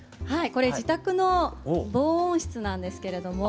これ自宅の防音室なんですけれども。